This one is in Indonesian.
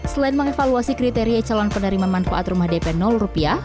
selain mengevaluasi kriteria calon penerima manfaat rumah dp rupiah